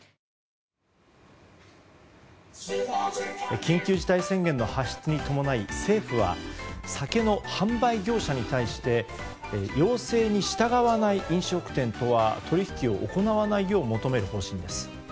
緊急事態宣言の発出に伴い政府は酒の販売業者に対して要請に従わない飲食店とは取引を行わないよう求める方針です。